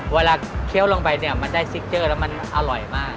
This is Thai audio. เคี้ยวลงไปเนี่ยมันได้ซิกเจอร์แล้วมันอร่อยมาก